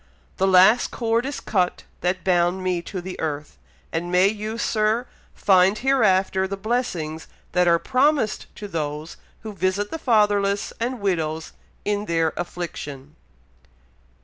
"The last cord is cut that bound me to the earth; and may you, Sir, find hereafter the blessings that are promised to those who visit the fatherless and widows in their affliction."